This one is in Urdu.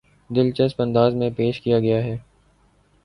دلچسپ انداز میں پیش کیا گیا ہے